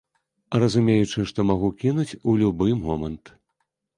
Разумеючы, што магу кінуць у любы момант.